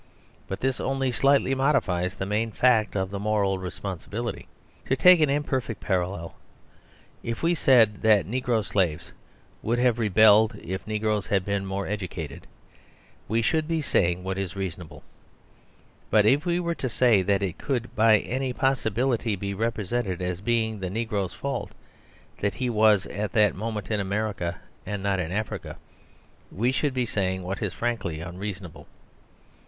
But this only slightly modifies the main fact of the moral responsibility. To take an imperfect parallel, if we said that negro slaves would have rebelled if negroes had been more intelligent, we should be saying what is reasonable. But if we were to say that it could by any possibility be represented as being the negro's fault that he was at that moment in America and not in Africa, we should be saying what is frankly unreasonable.